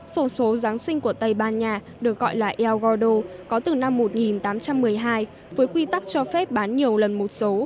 sổ số giáng sinh của tây ban nha được gọi là el gordo có từ năm một nghìn tám trăm một mươi hai với quy tắc cho phép bán nhiều lần một số